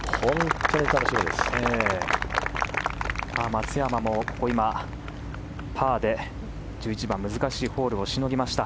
松山もパーで１１番難しいホールをしのぎました。